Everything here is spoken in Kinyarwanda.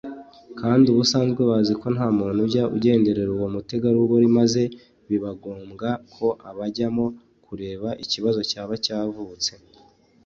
kandi ubusanzwe baziko nta muntu ujya agenderera uwo mutegarugori maze bibangombwa ko bajyamo kureba ikibazo cyaba cyavutse